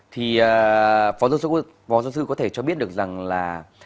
thì phó giáo sư có thể cho biết được rằng là